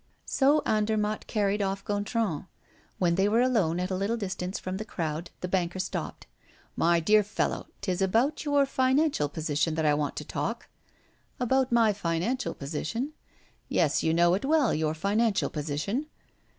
So Andermatt carried off Gontran. When they were alone, at a little distance from the crowd, the banker stopped: "My dear fellow, 'tis about your financial position that I want to talk." "About my financial position?" "Yes, you know it well, your financial position."